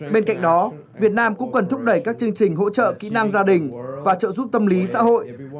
bên cạnh đó việt nam cũng cần thúc đẩy các chương trình hỗ trợ kỹ năng gia đình và trợ giúp tâm lý xã hội